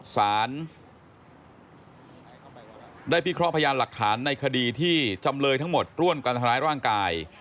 สารได้พิเคราะห์พยานหลักฐานในคดีที่จำเลยทั้งหมดร่วมกันทำร้ายร่างกาย